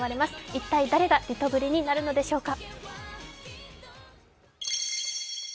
一体、誰がリトグリになるのでしょうか。